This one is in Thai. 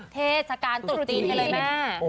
เทศกาลตุรตินให้เลยแม่